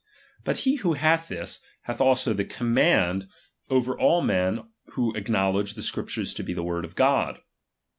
But he who hath this, hath also the command over all men who acknowledge the Scriptures to be the word of God.